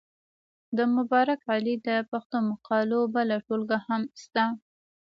د مبارک علي د پښتو مقالو بله ټولګه هم شته.